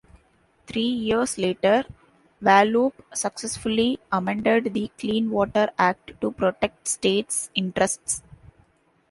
Three years later, Wallop successfully amended the Clean Water Act to protect states' interests.